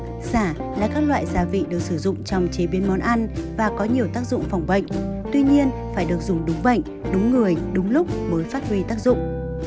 thuốc lá là các loại gia vị được sử dụng trong chế biến món ăn và có nhiều tác dụng phòng bệnh tuy nhiên phải được dùng đúng bệnh đúng người đúng lúc mới phát huy tác dụng